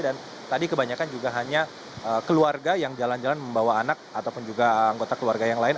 dan tadi kebanyakan juga hanya keluarga yang jalan jalan membawa anak ataupun juga anggota keluarga yang lain